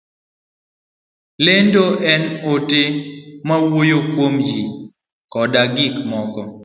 lendo en ote mawuoyo kuom ji koda gik moko.